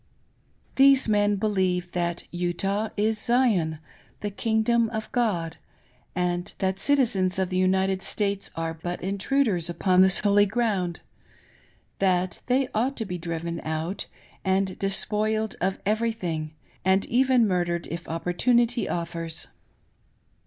These men believe that Utah is Zion — the "Kingdom of God," and that citizens of the United States are but intruders upon this holy ground; that tliey ought to be driven out and J8a "BRETHREN, DO YOUR feUTY !* despoiled of everything, and even muMered if opportunity offers.